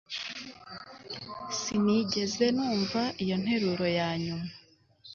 Sinigeze numva iyo nteruro yanyuma